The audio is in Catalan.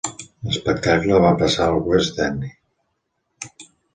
L'espectacle va passar al West End.